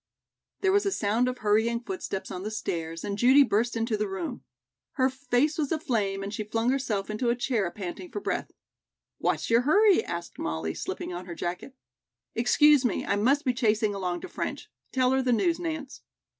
There was a sound of hurrying footsteps on the stairs and Judy burst into the room. Her face was aflame and she flung herself into a chair panting for breath. "What's your hurry?" asked Molly, slipping on her jacket. "Excuse me, I must be chasing along to French. Tell her the news, Nance."